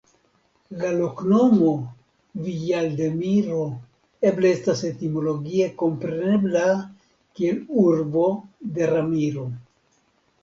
La loknomo "Villaldemiro" eble estas etimologie komprenebla kiel "Urbo de Ramiro".